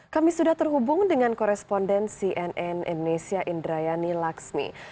kami sudah terhubung dengan koresponden cnn indonesia indrayani laksmi